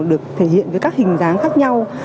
được thể hiện với các hình dáng khác nhau